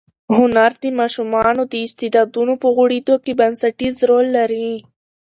هنر د ماشومانو د استعدادونو په غوړېدو کې بنسټیز رول لري.